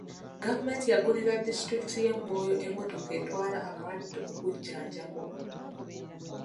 Gavumenti yagulira disitulikiti y'e Moyo emmotoka etwala abalwadde okujjanjabwa.